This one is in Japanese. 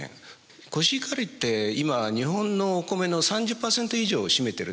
コシヒカリって今日本のおコメの３０％以上を占めてるんです。